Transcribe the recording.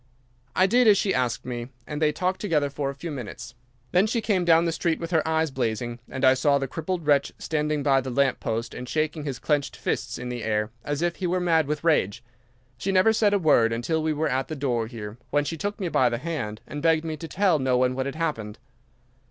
"'I did as she asked me, and they talked together for a few minutes. Then she came down the street with her eyes blazing, and I saw the crippled wretch standing by the lamp post and shaking his clenched fists in the air as if he were mad with rage. She never said a word until we were at the door here, when she took me by the hand and begged me to tell no one what had happened.